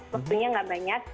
waktunya nggak banyak